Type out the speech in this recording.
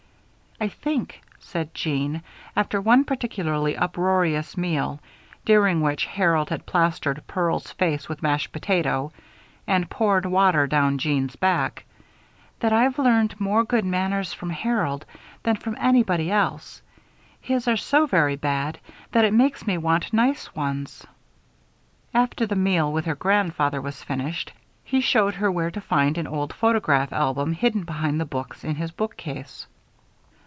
"I think," said Jeanne, after one particularly uproarious meal during which Harold had plastered Pearl's face with mashed potato and poured water down Jeanne's back, "that I've learned more good manners from Harold than from anybody else his are so very bad that it makes me want nice ones." After the meal with her grandfather was finished, he showed her where to find an old photograph album, hidden behind the books in his bookcase.